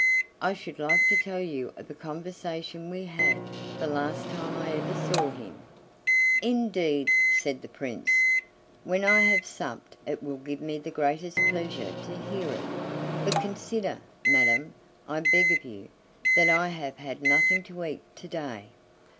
I should like to tell you of a conversation we had the last time I ever saw him." "Indeed," said the Prince, "when I have supped it will give me the greatest pleasure to hear it; but consider, madam, I beg of you, that I have had nothing to eat to day."